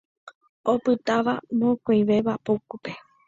Opytáva mokõivéva poguýpe.